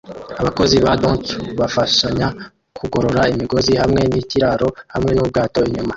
Abakozi ba Dock bafashanya kugorora imigozi hamwe nikiraro hamwe nubwato inyuma